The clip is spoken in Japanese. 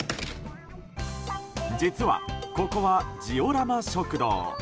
実は、ここはジオラマ食堂。